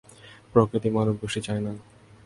প্রকৃতি মানবগােষ্ঠী চায় নি।